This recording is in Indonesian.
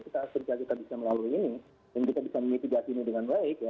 tapi jika kita bisa melalui ini jika kita bisa memitigasi ini dengan baik